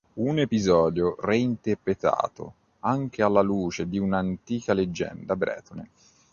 Un episodio reinterpretato anche alla luce di un'antica leggenda bretone.